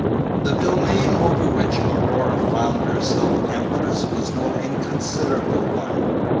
The domain over which Aurora found herself empress was no inconsiderable one.